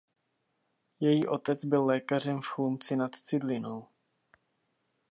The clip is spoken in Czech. Její otec byl lékařem v Chlumci nad Cidlinou.